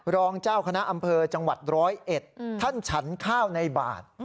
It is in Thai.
รองเจ้าคณะอำเภอจังหวัดร้อยเอ็ดท่านฉันข้าวในบาท